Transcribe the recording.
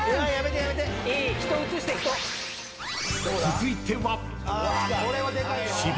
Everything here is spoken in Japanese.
［続いては］